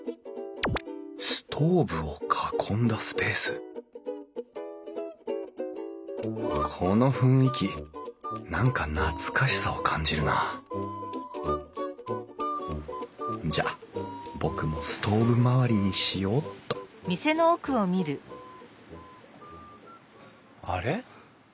ストーブを囲んだスペースこの雰囲気何か懐かしさを感じるなじゃあ僕もストーブ周りにしようっとあれ？